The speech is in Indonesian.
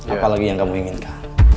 apa lagi yang kamu inginkan